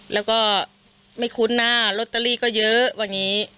แล้วก็ไม่คุ้นนะโรตเตอรี่ก็เยอะว่างี้